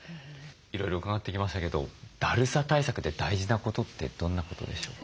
いろいろ伺ってきましたけどだるさ対策で大事なことってどんなことでしょうか？